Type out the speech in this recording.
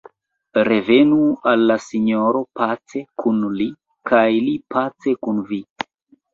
Revenu al la Sinjoro pace kun Li, kaj Li pace kun vi.